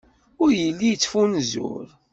Ur yelli yettfunzur.